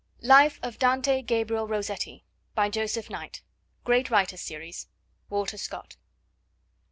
Life of Dante Gabriel Rossetti. By Joseph Knight. 'Great Writers' Series. (Walter Scott.)